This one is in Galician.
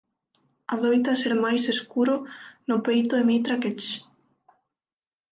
Adoita ser máis escuro no peito e mitra que "Ch.